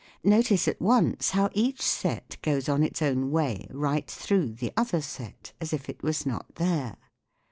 Notice at once how each set goes on its own way right through the other set, as if it was not there.